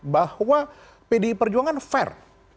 bahwa pdi perjuangan fair